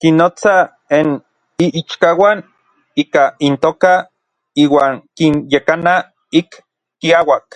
Kinnotsa n iichkauan ika intoka iuan kinyekana ik kiauak.